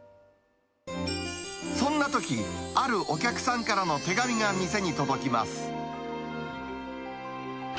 そんなとき、あるお客さんからの手紙が店に届きます。